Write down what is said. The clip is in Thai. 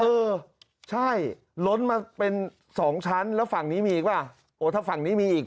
เออใช่ล้นมาเป็นสองชั้นแล้วฝั่งนี้มีอีกป่ะโอ้ถ้าฝั่งนี้มีอีก